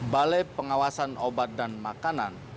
balai pengawasan obat dan makanan